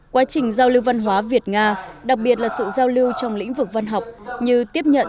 quá trình giao lưu văn hóa việt nga đặc biệt là sự giao lưu trong lĩnh vực văn học như tiếp nhận